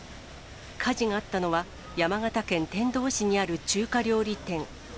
火事があったのは、山形県天童市にある中華料理店。